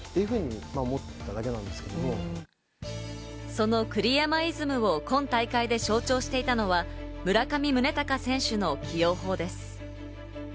その栗山イズムを今大会で象徴していたのは村上宗隆選手の起用法です。